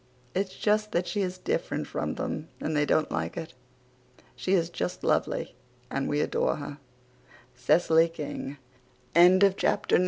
It's just that she is different from them and they don't like it. She is just lovely and we adore her.) CECILY KING. CHAPTER X.